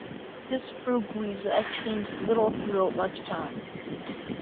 This freguesia changed little throughout much time.